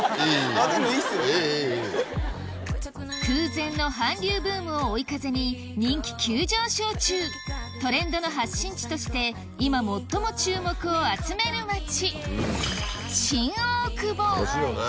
空前の韓流ブームを追い風に人気急上昇中トレンドの発信地として今最も注目を集める町楽しいよね